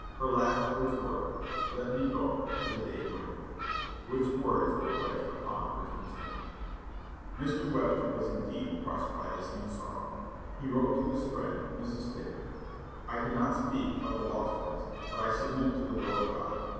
Her last words were, "Let me go, for the day breaketh," which words were placed upon her tombstone. Mr. Webster was indeed crushed by this new sorrow. He wrote to his friend Mrs. Ticknor, "I cannot speak of the lost ones; but I submit to the will of God.